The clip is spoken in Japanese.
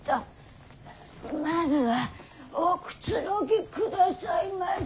まずはおくつろぎくださいませ。